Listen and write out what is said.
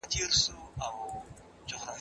تاسي باید د خپلو لاسونو نوکان تل لنډ وساتئ.